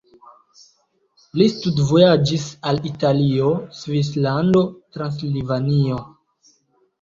Li studvojaĝis al Italio, Svislando, Transilvanio.